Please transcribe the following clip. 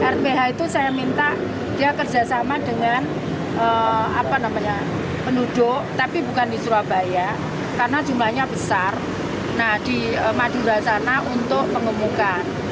rph itu saya minta dia kerjasama dengan penduduk tapi bukan di surabaya karena jumlahnya besar di madura sana untuk pengemukan